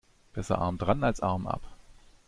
Besser arm dran als Arm ab.